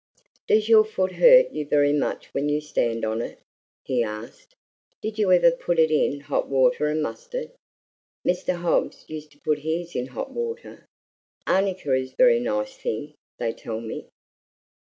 "Does your foot hurt you very much when you stand on it?" he asked. "Did you ever put it in hot water and mustard? Mr. Hobbs used to put his in hot water. Arnica is a very nice thing, they tell me."